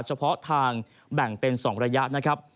เฉพาะทางแบ่งเป็น๒ระยะ